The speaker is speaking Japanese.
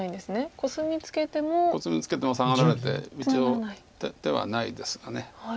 コスミツケてもサガられて一応手はないですが。